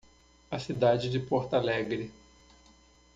A cidade de Porto Alegre.